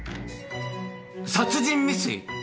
殺人未遂！？